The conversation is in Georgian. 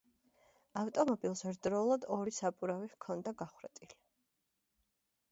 ავტომობილს ერთდროულად ორი საბურავი ჰქონდა გახვრეტილი.